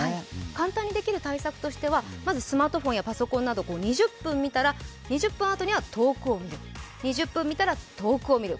簡単にできる対策としてはまず、スマートフォンやパソコンなど２０分見たら、２０分あとには遠くを見る、２０分見たら遠くを見る